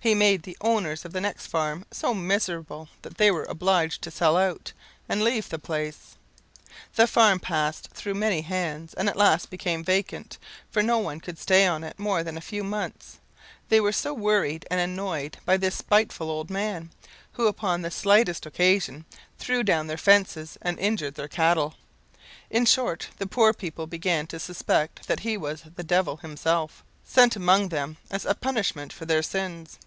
He made the owners of the next farm so miserable that they were obliged to sell out, and leave the place. The farm passed through many hands, and at last became vacant, for no one could stay on it more than a few months; they were so worried and annoyed by this spiteful old man, who, upon the slightest occasion, threw down their fences and injured their cattle. In short, the poor people began to suspect that he was the devil himself, sent among them as a punishment for their sins.